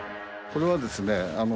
これはですね